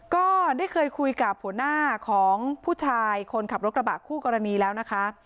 ก็ได้เคยคุยกับหัวหน้าของผู้ชายคนขับรถกระบะคู่กรณีแล้วนะคะ